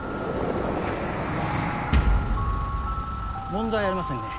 問題ありませんね。